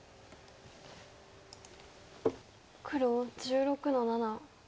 黒１６の七。